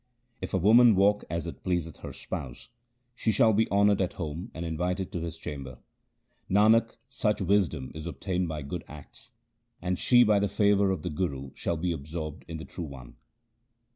If woman walk as it pleaseth her Spouse, She shall be honoured at home and invited to His chamber — Nanak, such wisdom is obtained by good acts — And she by the favour of the Guru shall be absorbed in the true One.